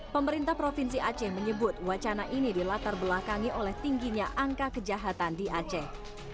pemerintah provinsi aceh menyebut wacana ini dilatar belakangi oleh tingginya angka kejahatan di aceh